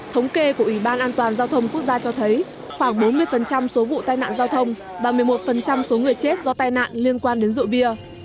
thống kê của ủy ban an toàn giao thông quốc gia cho thấy khoảng bốn mươi số vụ tai nạn giao thông và một mươi một số người chết do tai nạn liên quan đến rượu bia